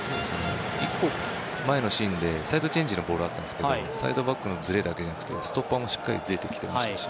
１個前のシーンでサイドチェンジのボールがあったんですが、サイドバックのずれだけじゃなくてストッパーもしっかりずれてきていましたし。